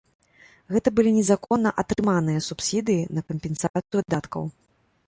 Гэта былі незаконна атрыманыя субсідыі на кампенсацыю выдаткаў.